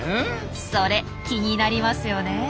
それ気になりますよね。